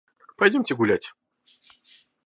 Пойдемте гулять.